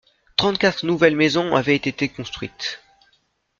Trente-quatre nouvelles maisons avaient été construites.